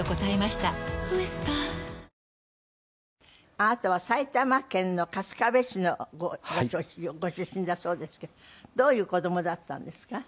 あなたは埼玉県の春日部市のご出身だそうですけどどういう子どもだったんですか？